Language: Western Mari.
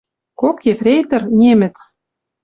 Кок ефрейтор — немец